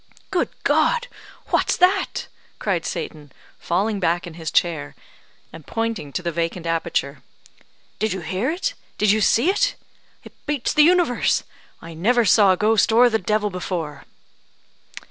"Good God! what's that?" cried Satan, falling back in his chair, and pointing to the vacant aperture. "Did you hear it? did you see it? It beats the universe. I never saw a ghost or the devil before!"